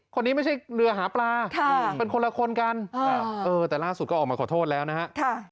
คนนี้ไม่ใช่เรือหาปลาเป็นคนละคนกันแต่ล่าสุดก็ออกมาขอโทษแล้วนะฮะ